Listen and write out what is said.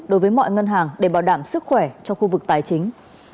đối với mọi ngân hàng để bảo đảm sức khỏe cho khu vực tài chính